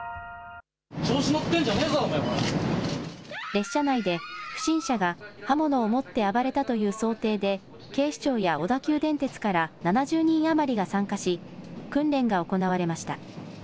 列車内で不審者が刃物を持って暴れたという想定で警視庁や小田急電鉄から７０人余りが参加し、訓練が行われました。